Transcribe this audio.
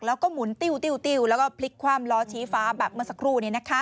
แล้วก็หมุนติ้วแล้วก็พลิกคว่ำล้อชี้ฟ้าแบบเมื่อสักครู่